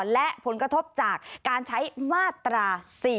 และผลกระทบจากการใช้มาตรา๔๔